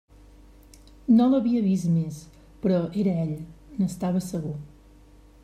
No l'havia vist més, però era Ell, n'estava segur.